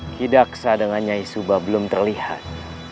kidak sadangannya isuba belum terlihat